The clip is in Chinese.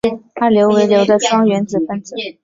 二硫为硫的双原子分子。